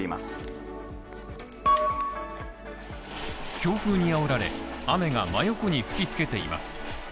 強風にあおられ、雨が真横に吹き付けています